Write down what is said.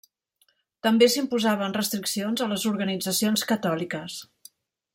També s'imposaven restriccions a les organitzacions catòliques.